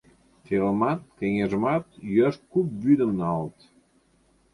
Телымат, кеҥежымат йӱаш куп вӱдым налыт.